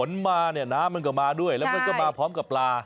มาเนี่ยน้ำมันก็มาด้วยแล้วมันก็มาพร้อมกับปลา